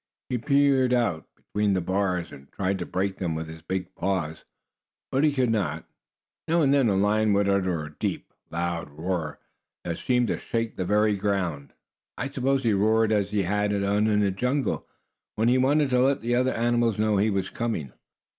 He peered out between the bars, and tried to break them with his big paws. But he could not. Now and then the lion would utter a deep, loud roar, that seemed to shake the very ground. I suppose he roared as he had done in the jungle, when he wanted to let the other animals know he was coming.